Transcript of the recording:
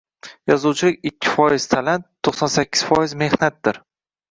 Yozuvchilik-ikki foiz talant, to’qson sakkiz foiz mehnatdir